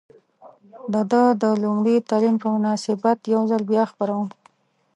د ده د لومړي تلین په مناسبت یو ځل بیا خپروم.